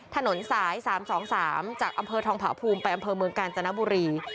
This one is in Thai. ถนนสาย๓๒๓จากอำเภอทองผาภูมิไปอำเภอเมืองกาญจนบุรี